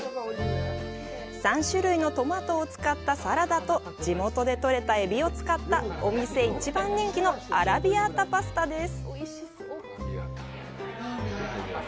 ３種類のトマトを使ったサラダと地元でとれたエビを使ったお店一番人気のアラビアータパスタです。